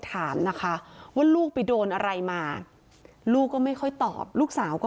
ถามนะคะว่าลูกไปโดนอะไรมาลูกก็ไม่ค่อยตอบลูกสาวก็